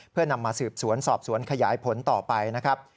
เพื่อนำมาสืบสวนสอบสวนขยายผลต่อไปนะครับ